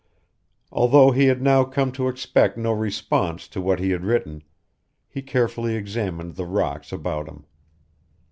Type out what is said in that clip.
Although he had now come to expect no response to what he had written, he carefully examined the rocks about him.